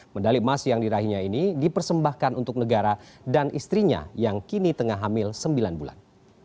medali emas yang dirahinya ini dipersembahkan untuk negara dan istrinya yang kini tengah hamil sembilan bulan